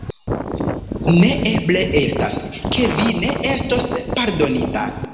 Ne eble estas, ke vi ne estos pardonita.